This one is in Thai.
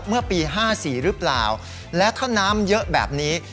เมื่อปี๕๔หรือเปล่าและถ้าน้ำเยอะแบบนี้